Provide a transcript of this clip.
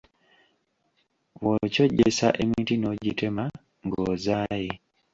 Bw’okyojjesa emiti n’ogitema ng’ozaaye.